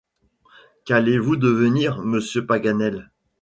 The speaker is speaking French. Qu’allez-vous devenir, monsieur Paganel ?